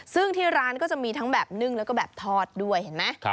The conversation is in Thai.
ซึ่งที่ร้านก็จะมีทั้งแบบนึ่งแล้วก็แบบทอดด้วยเห็นไหม